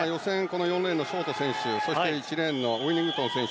この４レーンのショート選手そして１レーンのウィニングトン選手